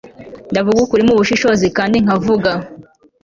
ndavuga ukuri mubushishozi, kandi nkavuga